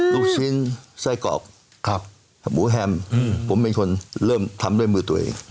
ลูกชิ้นไส้กรอกหมูแฮมผมเป็นคนเริ่มทำด้วยมือตัวเอง